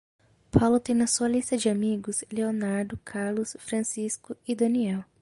Paulo tem na sua lista de amigos: Leonardo, Carlos, Francisco e Daniel.